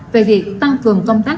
về việc tăng cường công tác